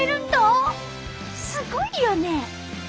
すごいよね！